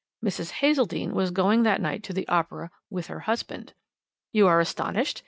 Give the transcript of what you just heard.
Mrs. Hazeldene was going that night to the opera with her husband "You are astonished?"